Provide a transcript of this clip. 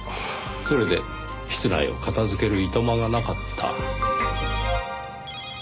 それで室内を片付けるいとまがなかった。